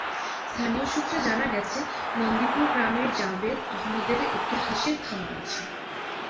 স্থানীয় সূত্রে জানা গেছে, নন্দীপুর গ্রামের জাবেদ আহমদের একটি হাঁসের খামার আছে।